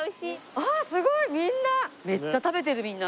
あっすごいみんな！